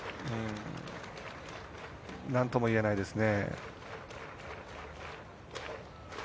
なんとも言えないですね。